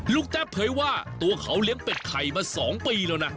แต๊บเผยว่าตัวเขาเลี้ยงเป็ดไข่มา๒ปีแล้วนะ